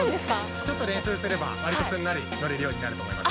ちょっと練習すれば、わりとすんなり乗れるようになると思います。